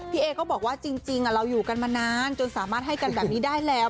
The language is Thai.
เอก็บอกว่าจริงเราอยู่กันมานานจนสามารถให้กันแบบนี้ได้แล้ว